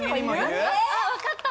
分かった！